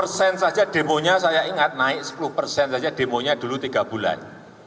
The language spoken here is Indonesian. rp sepuluh saja demonya saya ingat naik rp sepuluh saja demonya dulu tiga bulan